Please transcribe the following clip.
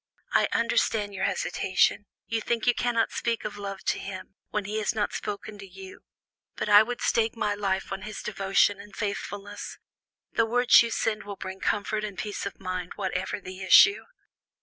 I understand your hesitation; you think you cannot speak of love to him, when he has not spoken to you; but I would stake my life on his devotion and faithfulness. The words you send him will bring comfort and peace of mind, whatever the issue."